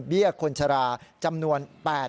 เบี้ยคนชะลาจำนวน